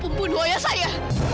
kau pembunuh ayah saya